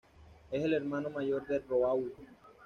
Es el hermano mayor de Raoul.